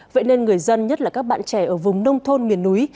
vậy nên người dân nhất là các bạn trẻ ở vùng nông thôn miền núi